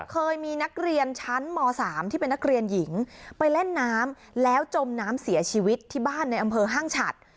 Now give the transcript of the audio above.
เคยมีนักเรียนชั้นม๓ที่เป็นนักเรียนหญิงไปเล่นน้ำแล้วจมน้ำเสียชีวิตที่บ้านในอำเภอห้างฉัด